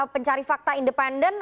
pencari fakta independen